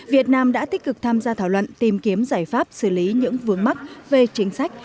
việt nam đã tích cực tham gia thảo luận tìm kiếm giải pháp xử lý những vướng mắc về chính sách